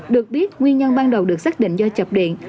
được biết nguyên nhân ban đầu được xác định do chập điện